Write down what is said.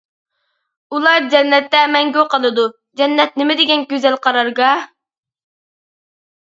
ئۇلار جەننەتتە مەڭگۈ قالىدۇ، جەننەت نېمىدېگەن گۈزەل قارارگاھ!